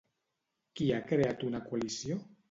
Qui ha creat una coalició?